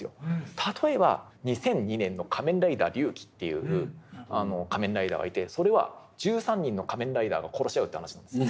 例えば２００２年の「仮面ライダー龍騎」っていう仮面ライダーがいてそれは１３人の仮面ライダーが殺し合うって話なんですよ。